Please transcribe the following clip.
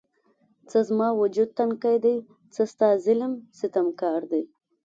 څه زما وجود تنکی دی، څه ستا ظلم ستم کار دی